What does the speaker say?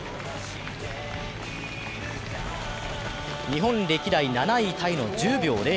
日本歴代７位タイの１０秒０２。